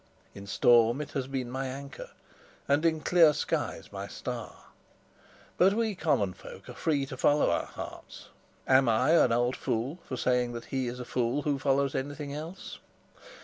In storm it has been my anchor, and in clear skies my star. But we common folk are free to follow our hearts; am I an old fool for saying that he is a fool who follows anything else?